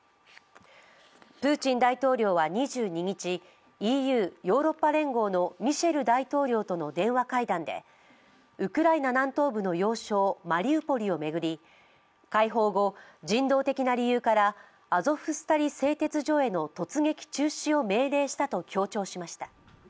プーチン大統領は２２日、ＥＵ＝ヨーロッパ連合のミシェル大統領との電話会談でウクライナ南東部の要衝マリウポリを巡り解放後、人道的な理由からアゾフスタリ製鉄所への突撃中止を命令したと強調しました。